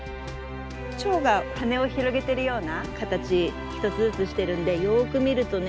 蝶が羽を広げてるような形一つずつしてるんでよく見るとね